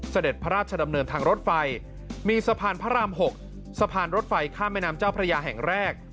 เสด็จพระราชดำเนินทางรถไฟมีสะพานพระราม๖สะพานรถไฟข้ามแม่น้ำเจ้าพระยาแห่งแรก